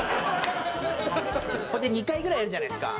ほんで２回ぐらいやるじゃないですか。